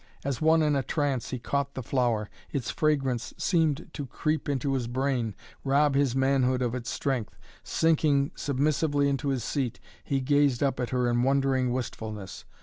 As one in a trance he caught the flower. Its fragrance seemed to creep into his brain, rob his manhood of its strength. Sinking submissively into his seat he gazed up at her in wondering wistfulness.